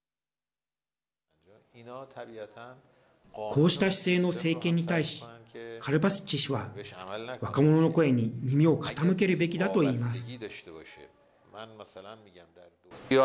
こうした姿勢の政権に対しカルバスチ氏は若者の声に耳を傾けるべきだと言います。